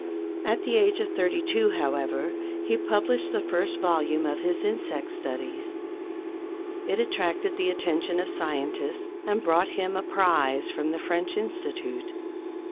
At the age of thirty two, however, he published the first volume of his insect studies. It attracted the attention of scientists and brought him a prize from the French Institute.